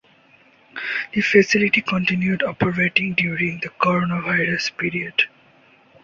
The facility continued operating during the Coronavirus period.